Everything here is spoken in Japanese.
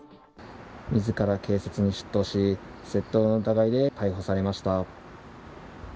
自ら警察に出頭し窃盗の疑いで逮捕されました。